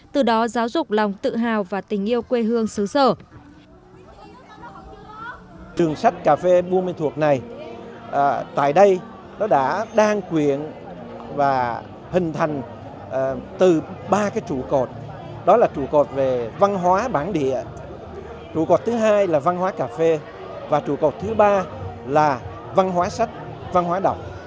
từ đó giáo dục lòng tự hào và tình yêu quê hương xứ sở